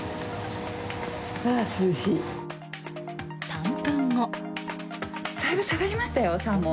３分後。